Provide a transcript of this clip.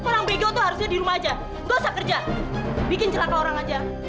tinggalkan aku sekarang